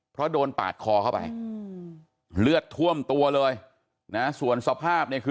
เพราะโดนปาดคอเข้าไป